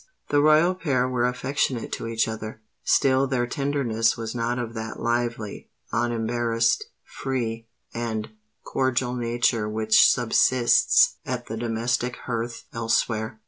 The royal pair were affectionate to each other: still their tenderness was not of that lively, unembarrassed, free, and cordial nature which subsists at the domestic hearth elsewhere.